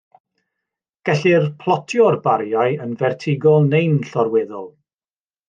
Gellir plotio'r bariau yn fertigol neu'n llorweddol.